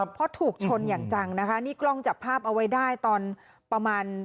เพราะถูกชนอย่างจังนะคะนี่กล้องจับภาพเอาไว้ได้ตอนประมาณ